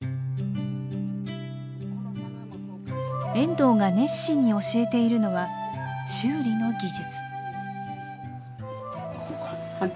遠藤が熱心に教えているのは修理の技術。